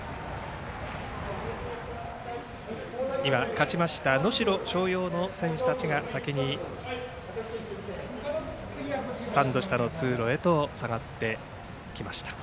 勝ちました能代松陽の選手たちが先にスタンド下の通路へと下がってきました。